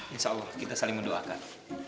insya allah kita saling mendoakan